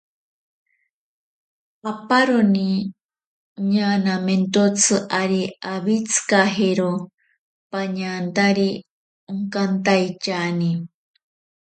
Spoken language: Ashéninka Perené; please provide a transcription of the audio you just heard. Aparoni ñanamentotsi ari owitsikajero pañantari onkantaityani.